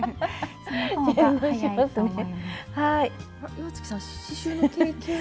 岩槻さん刺しゅうの経験は？